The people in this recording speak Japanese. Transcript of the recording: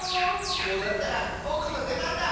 こうなったらぼくのでばんだ！